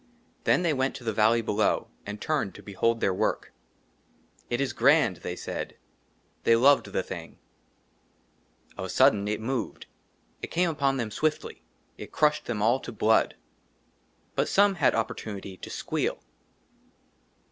THEN THEY WENT TO THE VALLEY BELOW, AND TURNED TO BEHOLD THEIR WORK. IT IS GRAND," THEY SAID ; THEY LOVED THE THING. OF A SUDDEN, IT MOVED I IT CAME UPON THEM SWIFTLY ; IT CRUSHED THEM ALL TO BLOOD. BUT SOME HAD OPPORTUNITY TO SQUEAL.